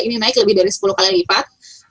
ini naik lebih dari sepuluh kali lipat